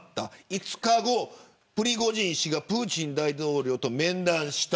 ５日後、プリゴジン氏がプーチン大統領と面談した。